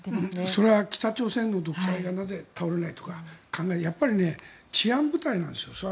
それは北朝鮮の独裁がなぜ倒れないとかやっぱり治安部隊なんですよ。